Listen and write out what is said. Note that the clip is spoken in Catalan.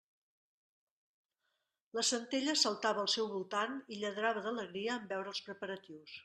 La Centella saltava al seu voltant i lladrava d'alegria en veure els preparatius.